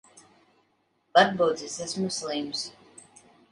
Varbūt es esmu slims.